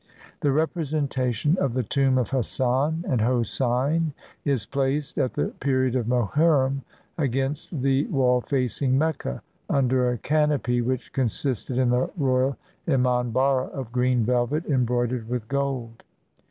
The repre sentation of the tomb of Hassan and Hosein is placed, at the period of Mohurrim, against the wall facing Mecca, under a canopy, which consisted in the royal emanharra of green velvet embroidered with gold.